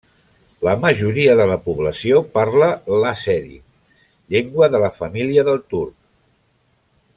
La majoria de la població parla l'àzeri, llengua de la família del turc.